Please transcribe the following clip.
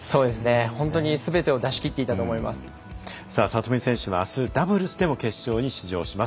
本当にすべてを里見選手はあすダブルスでも決勝に出場します。